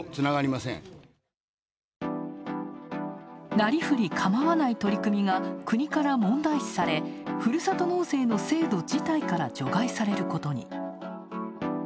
なりふり構わない取り組みが国から問題視されふるさと納税の制度自体から除外されることに。